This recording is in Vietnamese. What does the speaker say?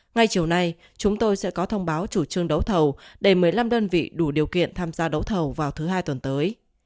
ngay chiều nay chúng tôi sẽ có thông báo chủ trương đấu thầu để một mươi năm đơn vị đủ điều kiện tham gia đấu thầu vào thứ hai tuần tới